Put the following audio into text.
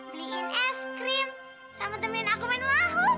beliin es krim sama temenin aku main mahu